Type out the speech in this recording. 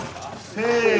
せの！